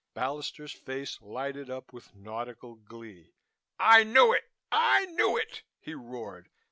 Ballister's face lighted up with nautical glee. "I knew it! I knew it!" he roared.